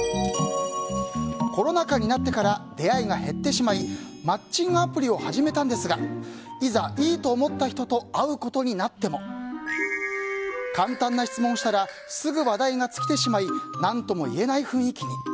コロナ禍になってから出会いが減ってしまいマッチングアプリを始めたんですがいざ、いいと思った人と会うことになっても簡単な質問をしたらすぐ話題が尽きてしまい何とも言えない雰囲気に。